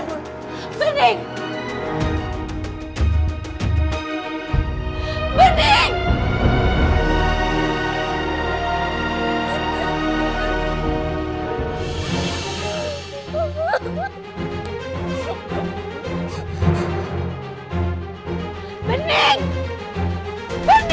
na na tunggu bunda